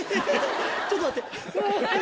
ちょっと待って。